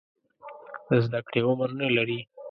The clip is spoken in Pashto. د زده کړې عمر نه لري.